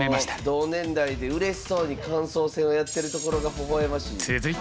同年代でうれしそうに感想戦をやってるところがほほ笑ましい。